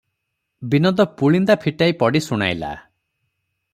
ବିନୋଦ ପୁଳିନ୍ଦା ଫିଟାଇ ପଡ଼ି ଶୁଣାଇଲା:-